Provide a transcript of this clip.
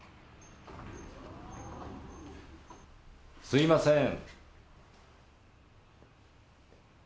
すいません。